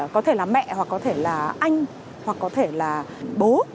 có thể là mẹ hoặc có thể là anh hoặc có thể là bố